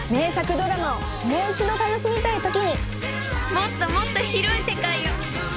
もっともっと広い世界を！